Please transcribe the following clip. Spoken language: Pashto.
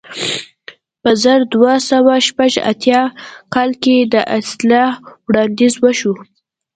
په زر دوه سوه شپږ اتیا کال کې د اصلاح وړاندیز وشو.